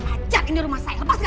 acak ini rumah saya lepas gak